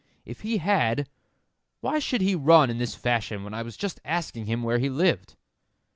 "If he had, why should he run in this fashion when I was just asking him where he lived?"